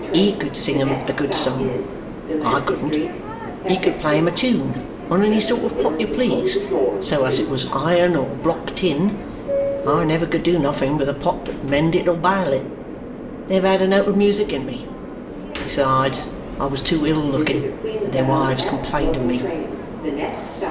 He could sing 'em a good song. I couldn't! He could play 'em a tune on any sort of pot you please, so as it was iron or block tin. I never could do nothing with a pot but mend it or bile it never had a note of music in me. Besides, I was too ill looking, and their wives complained of me."